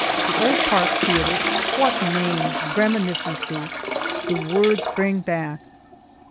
The old Park theatre what names, reminiscences, the words bring back!